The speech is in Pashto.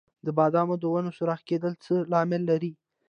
د بادامو د ونو سوراخ کیدل څه لامل لري؟